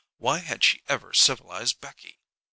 Why had she ever civilized Becky?